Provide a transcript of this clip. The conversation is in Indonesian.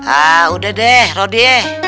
ah udah deh robi